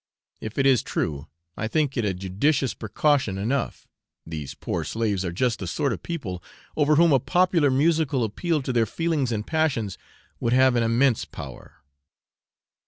If it is true, I think it a judicious precaution enough these poor slaves are just the sort of people over whom a popular musical appeal to their feelings and passions would have an immense power.